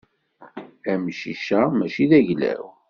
Amcic-a mačči d agla-w.